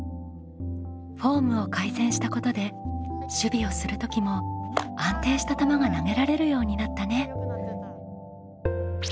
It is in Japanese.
フォームを改善したことで守備をする時も安定した球が投げられるようになったね。